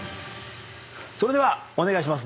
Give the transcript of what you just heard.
それではお願いします。